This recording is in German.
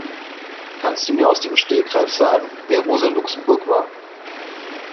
Kannst du mir aus dem Stegreif sagen, wer Rosa Luxemburg war?